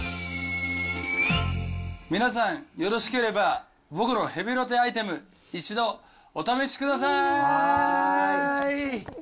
皆さん、よろしければ僕のヘビロテアイテム、一度、お試しください。